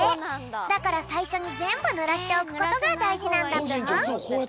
だからさいしょにぜんぶぬらしておくことがだいじなんだぴょん。